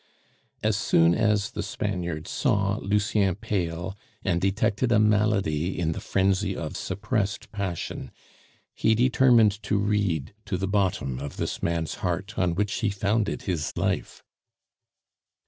As soon as the Spaniard saw Lucien pale, and detected a malady in the frenzy of suppressed passion, he determined to read to the bottom of this man's heart on which he founded his life.